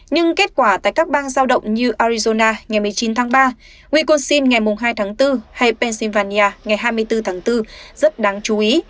nhưng kết quả tại các bang giao động như arizona ngày một mươi chín tháng ba wicosin ngày hai tháng bốn hay pennsylvania ngày hai mươi bốn tháng bốn rất đáng chú ý